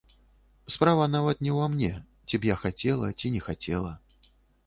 Справа нават не ўва мне, ці б я хацела, ці не хацела.